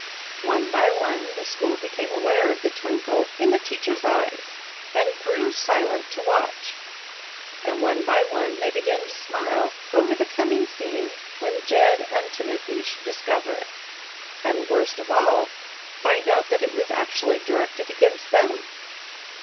One by one the school became aware of the twinkle in the teacher's eyes, and grew silent to watch, and one by one they began to smile over the coming scene when Jed and Timothy should discover it, and, worst of all, find out that it was actually directed against them.